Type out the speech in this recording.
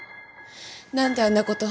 何であんなこと。